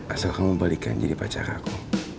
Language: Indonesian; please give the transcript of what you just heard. asal kamu balik jadi pacarku